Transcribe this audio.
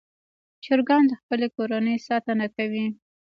چرګان د خپلې کورنۍ ساتنه کوي.